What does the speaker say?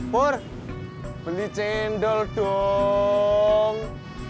pur beli cendol dong